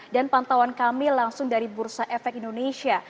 dan pantauan kami langsung dari bursa efek indonesia